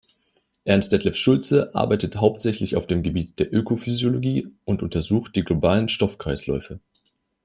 Ernst-Detlef Schulze arbeitet hauptsächlich auf dem Gebiet der Ökophysiologie und untersucht die globalen Stoffkreisläufe.